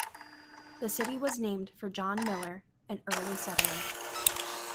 The city was named for John Miller, an early settler.